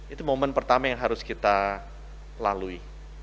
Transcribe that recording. itu momen pertama yang harus kita lalui